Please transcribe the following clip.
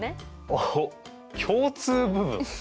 おっ共通部分？